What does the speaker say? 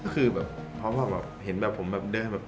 คือแบบเห็นแบบผมแบบเดิน